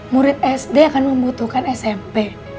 murid sd akan membutuhkan smp